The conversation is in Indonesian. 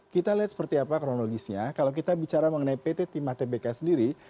kita lihat seperti apa kronologisnya kalau kita bicara mengenai pt timah tbk sendiri